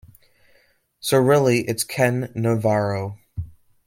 So really it's Kenn Navarro.